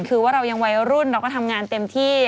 คือว่าเรายังวัยรุ่นเราก็ทำงานเต็มที่